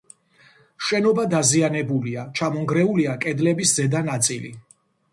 შენობა დაზიანებულია: ჩამონგრეულია კედლების ზედა ნაწილი.